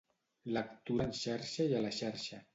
Lectura en xarxa i a la xarxa.